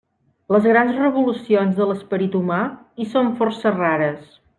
Les grans revolucions de l'esperit humà hi són força rares.